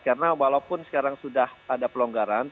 karena walaupun sekarang sudah ada pelonggaran